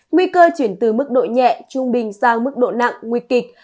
nguy cơ chuyển từ mức độ nhẹ trung bình sang mức độ nặng nguy kịch